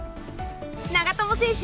長友選手